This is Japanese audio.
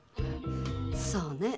そうね。